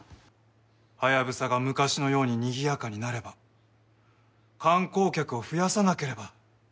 ハヤブサが昔のようににぎやかになれば観光客を増やさなければ。